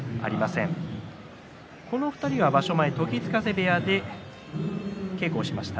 この２人、場所前に時津風部屋で稽古しました。